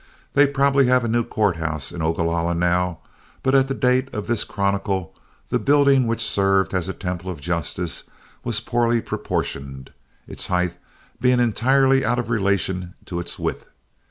They probably have a new court house in Ogalalla now, but at the date of this chronicle the building which served as a temple of justice was poorly proportioned, its height being entirely out of relation to its width.